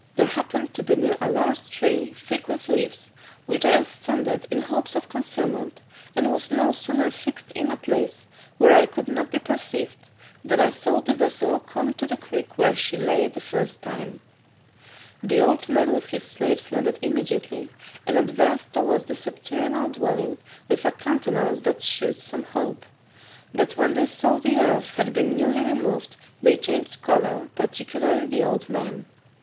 There happened to be near a large tree thick with leaves, which I ascended in hopes of concealment, and was no sooner fixed in a place where I could not be perceived, than I saw the vessel come to the creek where she lay the first time. The old man with his slaves landed immediately, and advanced towards the subterranean dwelling, with a countenance that shewed some hope; but when they saw the earth had been newly removed, they changed colour, particularly the old man.